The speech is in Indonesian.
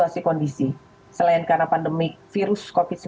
waktu pandemi itu